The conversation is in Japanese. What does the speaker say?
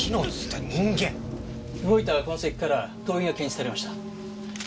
動いた痕跡から灯油が検出されました。